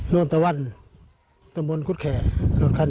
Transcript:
นูนเตาว่าตามวนกุธแขกเกห์